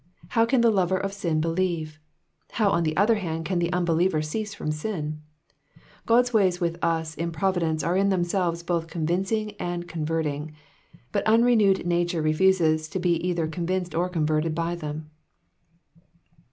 How can the lover of sin believe ? How, on the other hand, can the unbeliever cease from sin ? God's ways with us in providence are in themselves both con vincing and converting, but unrenewed nature refuses to be either convinced or converted by them.